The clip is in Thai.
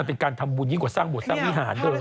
เป็นการทำบุญยิ่งกว่าสร้างบทสร้างวิหารด้วย